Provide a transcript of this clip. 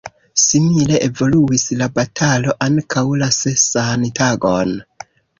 Simile evoluis la batalo ankaŭ la sesan tagon.